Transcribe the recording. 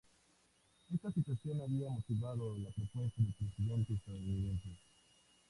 Esta situación había motivado la propuesta del presidente estadounidense.